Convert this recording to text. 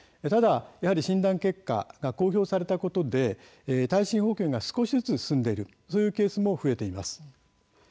診断結果が公表されたことで耐震補強が少しずつ進んでいるというケースも増えています。